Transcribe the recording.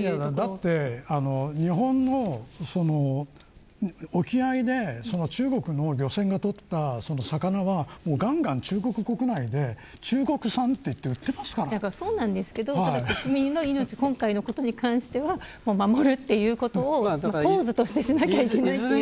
だって、日本の沖合で中国の漁船が取った魚はがんがん中国国内で中国産と言って売っていますからそうなんですけど、国民の命今回の事に関しては守るということをポーズとして、示さないといけないんだと思います。